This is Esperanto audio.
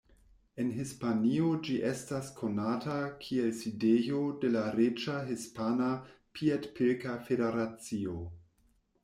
En Hispanio ĝi estas konata kiel sidejo de la Reĝa Hispana Piedpilka Federacio.